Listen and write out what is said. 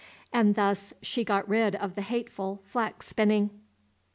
And thus she got rid of the hateful flax spinning.